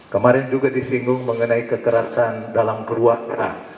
kemarin juga disinggung mengenai kekerasan dalam keluarga